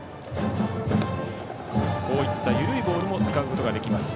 こういった緩いボールも使うことができます。